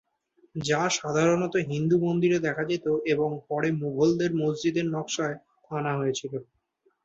যা সাধারণত হিন্দু মন্দিরে দেখা যেত এবং পরে মুঘলদের মসজিদের নকশায় আনা হয়েছিল।